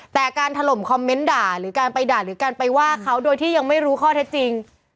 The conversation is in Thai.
แต่การถล่มคอมเมนต์ด่าหรือการไปด่าหรือการไปว่าเขาโดยที่ยังไม่รู้ข้อเท็จจริง